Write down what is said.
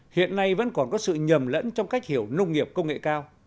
hiện nay vẫn còn có sự nhầm lẫn trong cách hiểu nông nghiệp công nghệ cao